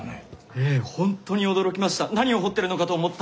ええ本当に驚きました。